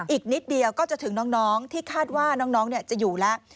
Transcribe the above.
อีกนิดเดียวก็จะถึงน้องที่คาดว่าน้องจะอยู่แล้ว